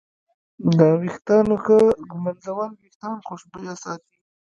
د ویښتانو ښه ږمنځول وېښتان خوشبویه ساتي.